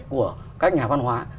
của các nhà văn hóa